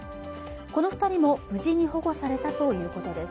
この２人も無事に保護されたということです。